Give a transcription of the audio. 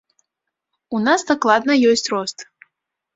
У нас дакладна ёсць рост.